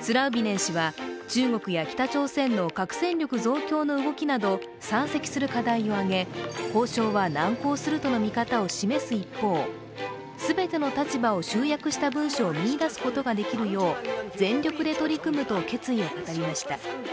スラウビネン氏は、中国や北朝鮮の核戦力増強の動きなど山積する課題を挙げ、交渉は難航するとの見方を示す一方、全ての立場を集約した文書を見いだすことができるよう、全力で取り組むと決意を語りました。